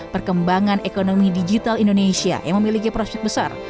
perkembangan ekonomi digital indonesia yang memiliki prospek besar